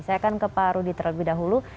saya akan ke pak rudi terlebih dahulu